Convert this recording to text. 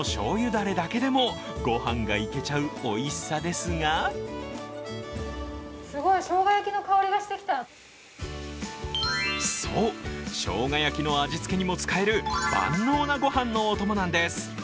だれだけでもご飯がいけちゃうおいしさですがそう、しょうが焼きの味付けにも使える万能なご飯のお供なんです。